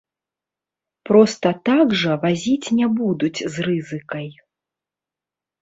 Проста так жа вазіць не будуць з рызыкай.